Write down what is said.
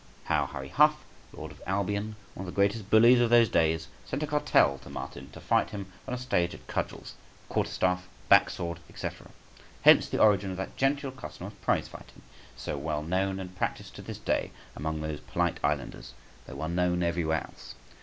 How Harry Huff {160a}, lord of Albion, one of the greatest bullies of those days, sent a cartel to Martin to fight him on a stage at Cudgels, quarter staff, backsword, &c. Hence the origin of that genteel custom of prize fighting so well known and practised to this day among those polite islanders, though unknown everywhere else.